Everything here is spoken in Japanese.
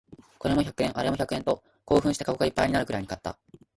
これも百円、あれも百円と興奮してカゴいっぱいになるくらい買った